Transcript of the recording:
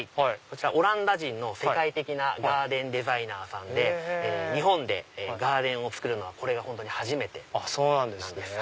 オランダ人の世界的なガーデンデザイナーさんで日本でガーデンを造るのはこれが本当に初めてなんです。